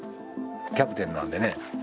キャプテンなんでね